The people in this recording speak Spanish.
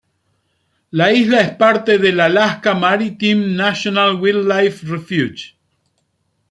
La isla es parte del Alaska Maritime National Wildlife Refuge.